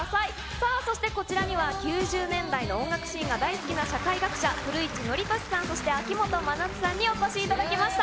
さあ、そしてこちらには、９０年代の音楽シーンが大好きな社会学者、古市憲寿さん、そして秋元真夏さんにお越しいただきました。